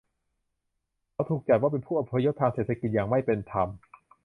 เขาถูกจัดว่าเป็นผู้อพยพทางเศรษฐกิจอย่างไม่เป็นธรรม